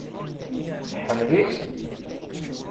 Tḥemmel-itt?